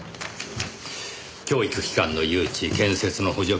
教育機関の誘致建設の補助金。